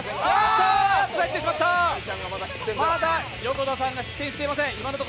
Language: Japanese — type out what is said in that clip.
横田さんが失点していません。